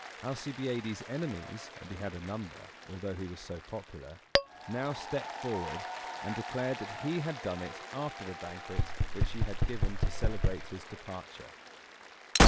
Alcibiades' enemies and he had a number, although he was so popular now stepped forward, and declared that he had done it after the banquet which he had given to celebrate his departure.